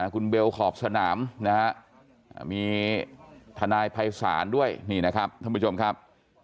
คุณเบลขอบสนามมีทนายภัยศาลด้วยท่านผู้ชมครับ